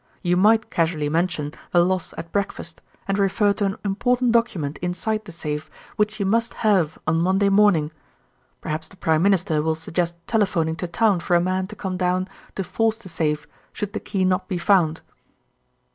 You might casually mention the loss at breakfast, and refer to an important document inside the safe which you must have on Monday morning. Perhaps the Prime Minister will suggest telephoning to town for a man to come down to force the safe should the key not be found."